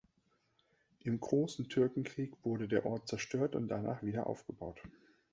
Im Großen Türkenkrieg wurde der Ort zerstört und danach wieder aufgebaut.